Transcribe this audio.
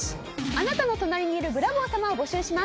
あなたの隣にいるブラボー様を募集します。